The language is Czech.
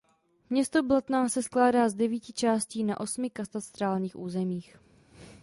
Město Blatná se skládá z devíti částí na osmi katastrálních územích.